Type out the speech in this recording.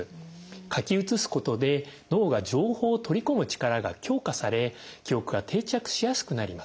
書き写すことで脳が情報を取り込む力が強化され記憶が定着しやすくなります。